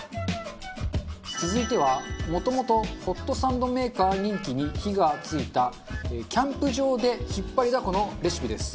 続いてはもともとホットサンドメーカー人気に火がついたキャンプ場で引っ張りだこのレシピです。